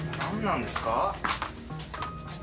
何なんですか？